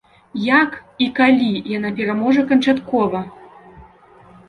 Як і калі яна пераможа канчаткова?